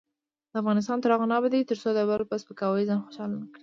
افغانستان تر هغو نه ابادیږي، ترڅو د بل په سپکاوي ځان خوشحاله نکړو.